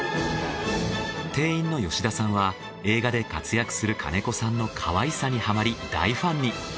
店員の吉田さんは映画で活躍する金子さんのかわいさにハマり大ファンに。